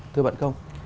thưa bạn không